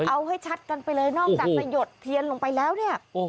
เอาให้ชัดกันไปเลยนอกจากจะหยดเทียนลงไปแล้วเนี่ย